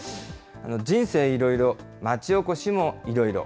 人生いろいろ、町おこしもいろいろ。